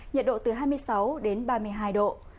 nhiệt độ từ hai mươi sáu đến ba mươi hai độ